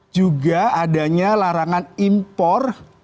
juga adanya larangan impor